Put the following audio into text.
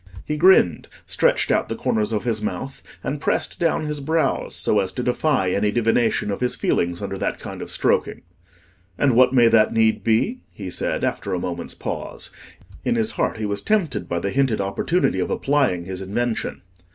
He grinned, stretched out the corners of his mouth, and pressed down his brows, so as to defy any divination of his feelings under that kind of stroking. "And what may that need be?" he said, after a moment's pause. In his heart he was tempted by the hinted opportunity of applying his invention.